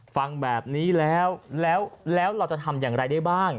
ฟังแบบนี้แล้วแล้วเราจะทำอย่างไรได้บ้าง